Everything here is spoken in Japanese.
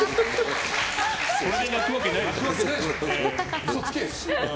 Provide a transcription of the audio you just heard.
それで泣くわけないでしょ。